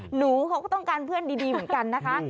หนูเขาก็ต้องการเพื่อนดีเหมือนกันนะคะ